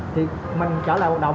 thì mình trở lại hoạt động